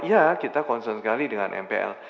ya kita concern sekali dengan mpl